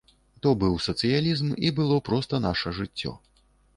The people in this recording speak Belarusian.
То быў сацыялізм і было проста наша жыццё.